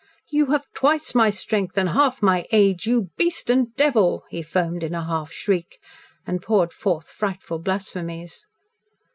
"You have twice my strength and half my age, you beast and devil!" he foamed in a half shriek, and poured forth frightful blasphemies.